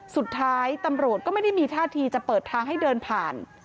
สุดท้ายตำรวจก็ไม่ได้มีท่าทีจะเปิดทางให้เดินผ่าน